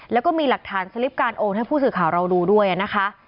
แล้วก็มีหลักฐานสลิปการโอนให้ผู้สื่อข่าวเราดูด้วยนะคะ